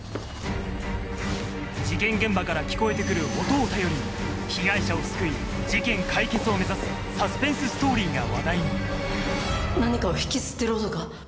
事件現場から聞こえて来る音を頼りに被害者を救い事件解決を目指すサスペンスストーリーが話題に何かを引きずってる音が。